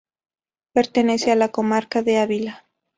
Pertenece a la comarca de Ávila.